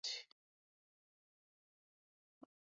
He was traded at the end of the season to the Kansas City Wizards.